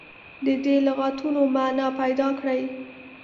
د دې لغتونو معنا پیداکړي.